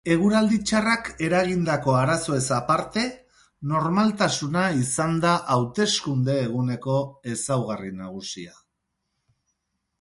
Eguraldi txarrak eragindako arazoez aparte, normaltasuna izan da hauteskunde eguneko ezaugarri nagusia.